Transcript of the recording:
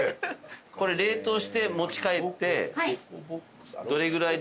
これ冷凍して持ち帰ってどれぐらい？